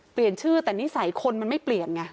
เปลี่ยนชื่อแต่นิสัยคนมันไม่เปลี่ยนไง